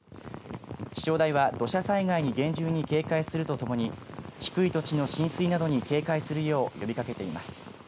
気象台は土砂災害に厳重に警戒するとともに低い土地の浸水などに警戒するよう呼びかけています。